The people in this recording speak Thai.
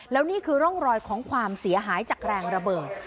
แล้วนี่คือร่องรอยของความเสียหายจากแรงระเบิด